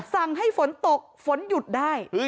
สั่งให้ฝนตกฝนหยุดได้